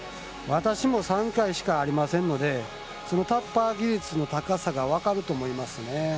私も３回しかないのでタッパー技術の高さが分かると思います